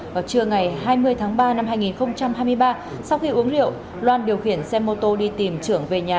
vào trưa ngày hai mươi tháng ba năm hai nghìn hai mươi ba sau khi uống rượu loan điều khiển xe mô tô đi tìm trưởng về nhà